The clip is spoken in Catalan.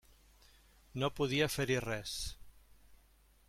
No podia fer-hi res.